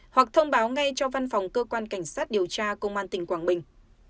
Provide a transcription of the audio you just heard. hoặc thông báo ngay cho văn phòng cơ quan cảnh sát điều tra công an tỉnh quảng bình